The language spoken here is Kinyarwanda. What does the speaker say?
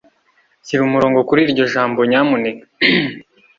shyira umurongo kuri iryo jambo, nyamuneka.